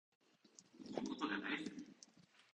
妹が大好き